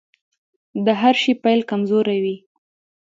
د هر شي پيل کمزوری وي .